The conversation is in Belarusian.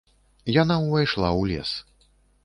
Яна ўвайшла ў лес.